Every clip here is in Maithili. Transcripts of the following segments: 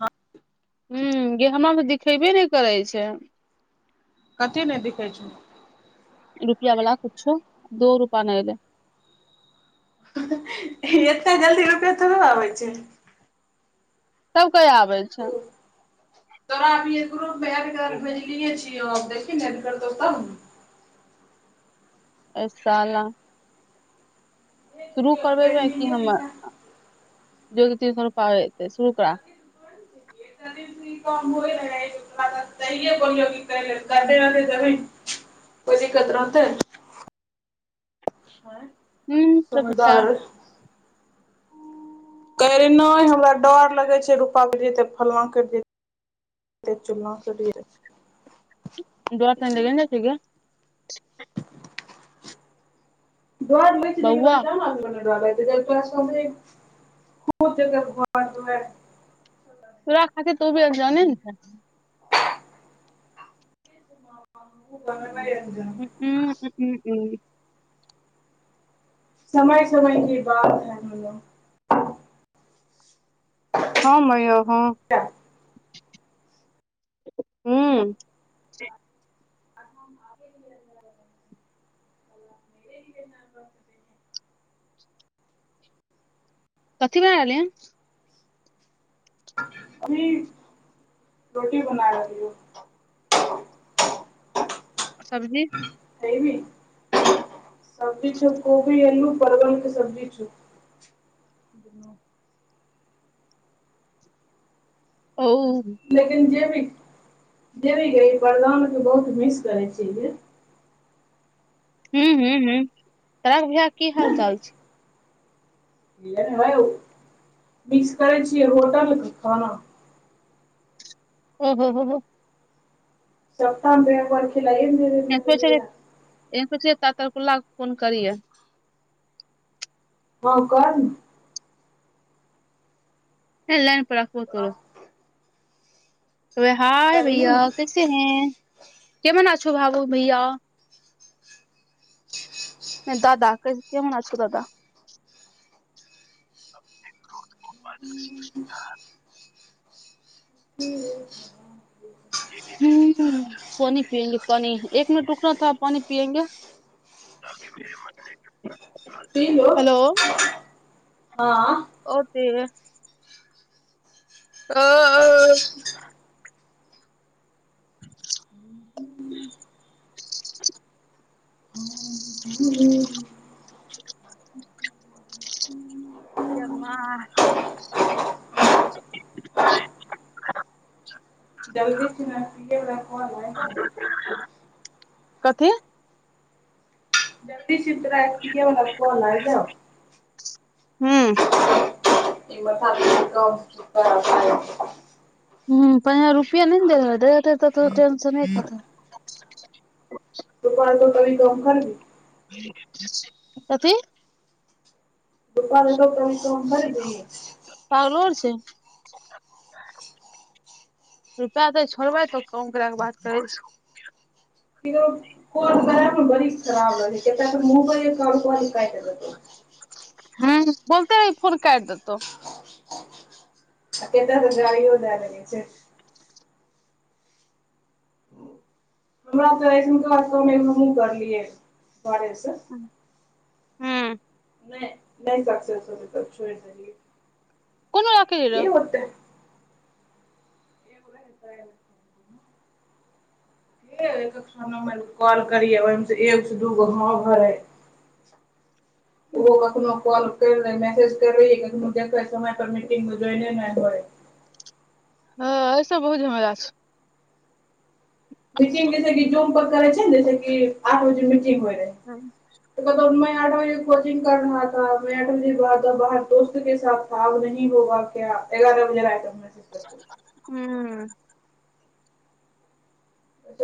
हँ हं गे हमरा त दिखेबे नहि करै छै कथी नहि दिखै छै रुपया बला कुछो दो रुपा नहि दे हें एते जल्दि रुपै क आबै छै तब कहिया आबै छै ओ तोरा अभीये ग्रुपमे एड कर भेजलियै छै अब देखि नहि द करतौ तब अ साला शुरू ने करबेबै कि पेंडिंगे हम दिखा जग ती पै त शुरू करा ो कर करे रहते जमीन कोइ दिक्कत रहतै हं हू तत छ कहै रहहि नहि हमरा डर लगै छै रुपैआ पट जतै फल्लाँ कटि जतैतै चिलल्ला कटि जै दो तन ल कने छीग [unintelligible] डआ रइै लेकान बौआ ल ल त स खूत ज घर तोरा खाे त भ आ जे ने [unintelligible] आू बगना एन्द उम्म, उम्म, उम्म, उम्म, समय समय की बात है मलो हँ मा हँ क्या ह्म बतत कथी भर रहलल अभी रोटी बना रहलीौ सब्जी नहिबी सब्जी छै कोोबी एलू पव शज छ ओ हूँ लेकिन जे देबी ई वदान त बहुत मिस करै छियै हू हू ह तरा भा की हाल चाल छै हे मिक्स करै छियै होटलके खाना ओहो हो हो चौथा बे ब लमे म भेल एहु तातरकुल्ला फोन करियै ह कर ने एल राखबो तोरा तोरो हाय करिहे न भैया कैसे हैं केमन छो भाबू भैया नहि ददा कै हना अ ददा [unintelligible] ह्म ह पानि पिंगे पानि एक मिनट उकनाथ पानि पिेंगे तल हँ ओते आ ह ह ह [unintelligible] जे जल्दी सना कथी जब्दी सधरािके म कोना जा ह्म म ह पं रुपआ नहि ने देेल रह त त ेंशन एक कतऽ [unintelligible] तू कह कभी दम करबी कथी रप लोक क क भर द रुपआ दै छोड़बै तऽ कम करै के बात करै छै क कह कोन कर बड़ खराब रहल क मबइल एक कल कायट हँ बत फन काटि देतो अत तऽ सजीो धार छै हमरा तऽ अऐसन कह क हमहुँ करलियै बरेसँ हू नहि नहि तकसे त छोड़ए कोनो रखरर ई ओ हप हे एको नम्बरके कॉल करियै ओहिमे सँ एक से दू गो हाँ घरै ओहो कखनो कल मैसज कर मु देखै समय पर मीटिंगमे नहि न जइ हँ ऐ सब बहुत झमराा छै मिंग जैस कि जूम करै छै जैसे कि आठ बजे हो रहै छै त द आठ बजे कोचिंग कर रहा मैं आठ बजे बाद बाहर दोस्त के साथ थ अबही होग क्य एगारह बजे रहााय त हू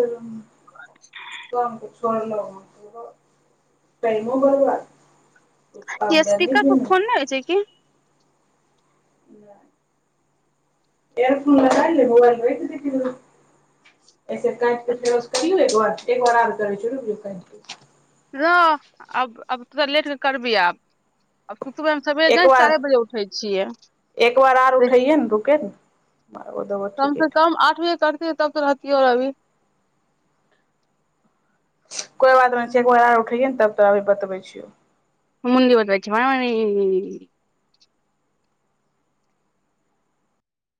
ओ तम स ल त टाेम बरबार य स्पीकर पर फोन नहि होइ छै किी नहि एयरफोन ल मोबाइल दऐ क फेर करौ एक एक बार आर करै छै रप क र आब अब तोरा लेटके करबह आब सुतबैमे सबेरे के जा एक बार चारि बजे उठै छियै एक बार आर उठैयै ने रुके ने मारबो देबो कम ठीके से कम कोइ आठ बज तब तऽ रहती र अभी कोइ बात नहि छै एक बेार आर उठै ने तब तोभी बतबै छियौ मुन्दि ओतबच म